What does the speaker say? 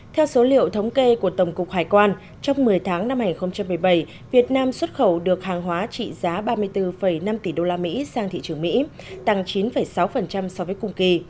theo số liệu thống kê của tổng cục hải quan trong một mươi tháng năm hai nghìn một mươi bảy việt nam xuất khẩu được hàng hóa trị giá ba mươi bốn năm tỷ usd sang thị trường mỹ tăng chín sáu so với cùng kỳ